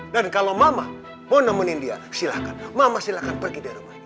dan kalau mama mau nemenin dia silahkan mama silahkan pergi dari rumah